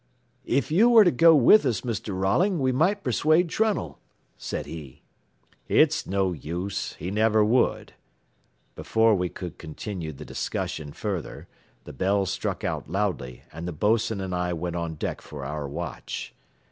"If you were to go with us, Mr. Rolling, we might persuade Trunnell," said he. "It's no use, he never would " Before we could continue the discussion further the bells struck out loudly, and the bos'n and I went on deck for our watch.